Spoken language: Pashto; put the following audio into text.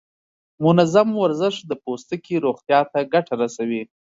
منظم ورزش د پوستکي روغتیا ته ګټه رسوي.